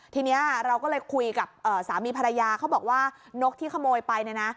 ทีนี้เราก็เลยคุยกับสามีภรรยาเขาบอกว่านกที่ขโมยไปเนี่ยนะ